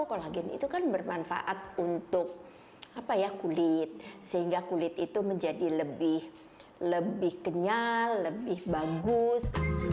kolagen itu kan bermanfaat untuk kulit sehingga kulit itu menjadi lebih kenyal lebih bagus